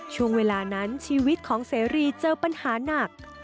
ช่วงเวลานั้นชีวิตของเสรีเจอปัญหาหนัก